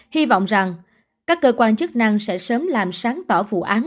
hy vọng rằng các cơ quan chức năng sẽ sớm làm sáng tỏ vụ án